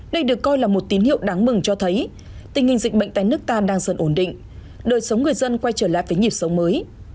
đây được coi là một tín hiệu đáng mừng cho thấy tình hình dịch bệnh tại nước ta đang dần ổn định đời sống người dân quay trở lại với nhịp sống mới